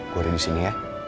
gue ada disini ya